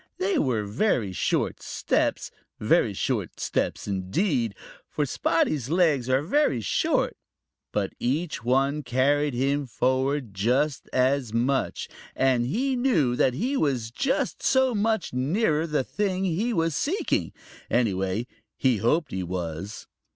They were very short steps, very short steps indeed, for Spotty's legs are very short. But each one carried him forward just so much, and he knew that he was just so much nearer the thing he was seeking. Anyway, he hoped he was.